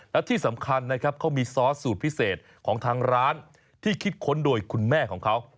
และที่สำคัญนะครับเขามีซอสสูตรพิเศษของทางร้านที่คิดค้นโดยคุณแม่ของเขา